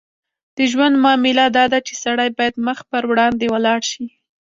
د ژوند معامله داده چې سړی باید مخ پر وړاندې ولاړ شي.